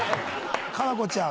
夏菜子ちゃん